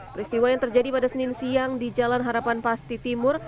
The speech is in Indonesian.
peristiwa yang terjadi pada senin siang di jalan harapan pasti timur